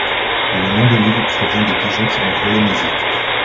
Le nom de l'île provient des pigeon qui l'ont colonisé.